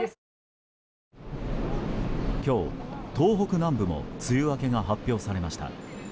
今日、東北南部も梅雨明けが発表されました。